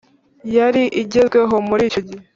yari igezweho muri icyo gihe.